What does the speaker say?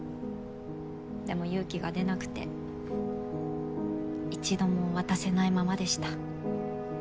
でも勇気が出なくて一度も渡せないままでした。